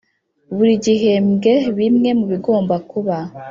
buri gihembwe bimwe mu bigomba kuba